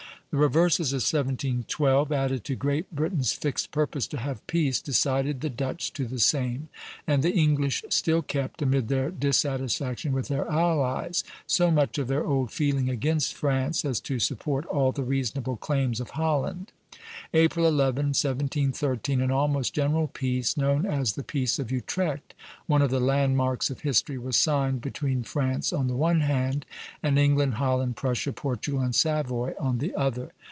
The reverses of 1712, added to Great Britain's fixed purpose to have peace, decided the Dutch to the same; and the English still kept, amid their dissatisfaction with their allies, so much of their old feeling against France as to support all the reasonable claims of Holland. April 11, 1713, an almost general peace, known as the Peace of Utrecht, one of the landmarks of history, was signed between France on the one hand, and England, Holland, Prussia, Portugal, and Savoy on the other.